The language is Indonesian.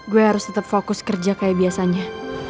gue harus tetap fokus kerja kayak biasanya